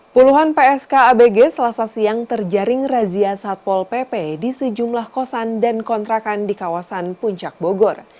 puluhan psk abg selasa siang terjaring razia satpol pp di sejumlah kosan dan kontrakan di kawasan puncak bogor